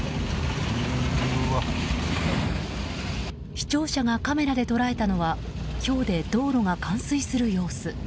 視聴者がカメラで捉えたのはひょうで道路が冠水する様子。